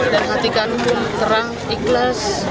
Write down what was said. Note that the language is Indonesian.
dan hatikan pun terang ikhlas